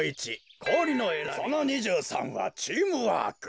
その２３はチームワーク。